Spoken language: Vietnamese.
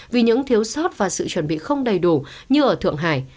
vì những thiếu sót và sự chuẩn bị không đầy đủ như ở thượng hải